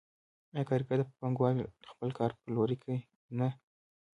آیا کارګر په پانګوال خپل کار پلوري که نه